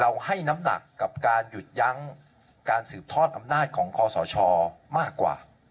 ให้น้ำหนักกับการหยุดยั้งการสืบทอดอำนาจของคอสชมากกว่า